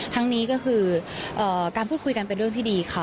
ทั้งนี้ก็คือการพูดคุยกันเป็นเรื่องที่ดีค่ะ